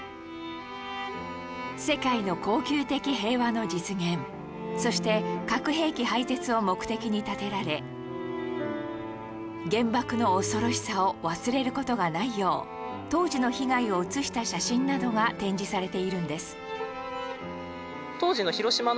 世界の恒久的平和の実現そして核兵器廃絶を目的に建てられ原爆の恐ろしさを忘れる事がないよう当時の被害を写した写真などが展示されているんです